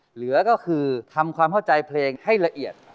เหลือก็คือทำความเข้าใจเพลงให้ละเอียด